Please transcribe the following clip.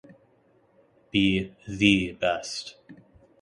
Be The Best.